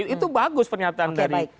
itu bagus pernyataan dari